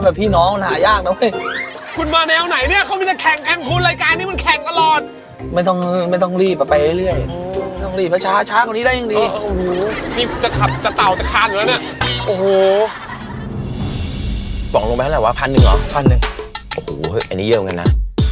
แบบพี่น้องหน่ายากนะ